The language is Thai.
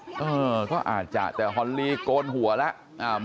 เออก็อาจจะแต่ฮอลลีโกนหัวแล้ว